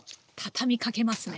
畳みかけますね。